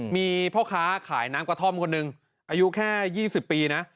มีพ่อค้าขายน้ำกระท่อมคนหนึ่งอายุแค่๒๐ปีนะ